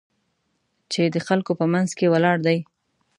چې د خلکو په منځ کې ولاړ دی.